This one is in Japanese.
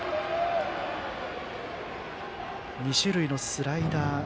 ２種類のスライダー。